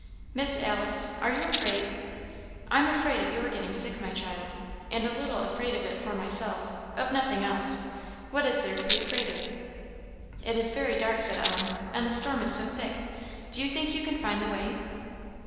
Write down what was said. "Miss Alice are you afraid?" "I am afraid of your getting sick, my child, and a little afraid of it for myself of nothing else. What is there to be afraid of?" "It is very dark," said Ellen; "and the storm is so thick do you think you can find the way?"